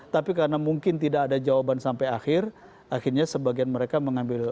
tapi karena mungkin tidak ada jawaban sampai akhir akhirnya sebagian mereka mengambil